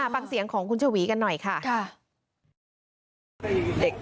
ฟังเสียงของคุณฉวีกันหน่อยค่ะค่ะค่ะค่ะ